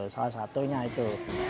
salah satunya itu